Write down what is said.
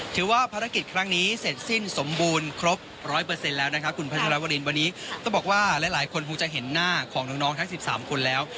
ถือว่าภารกิจครั้งนี้เสร็จสิ้นสมบูรณ์ครบร้อยเปอร์เซ็นต์แล้วนะครับคุณพระชาววรินวันนี้ต้องบอกว่าหลายหลายคนคงจะเห็นหน้าของน้องน้องทั้งสิบสามคนแล้ว